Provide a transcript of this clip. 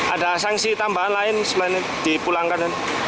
ada sanksi tambahan lain selain dipulangkan